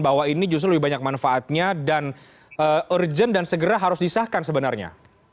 bahwa ini justru lebih banyak manfaatnya dan urgent dan segera harus disahkan sebenarnya